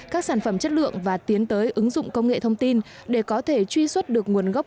các sản phẩm chất lượng và tiến tới ứng dụng công nghệ thông tin để có thể truy xuất được nguồn gốc